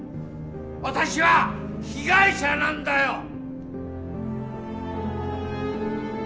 私は被害者なんだよ！